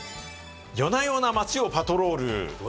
夜な夜な町をパトロール。